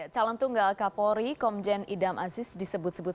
calon tunggal kapolri komjen idam aziz disebut sebut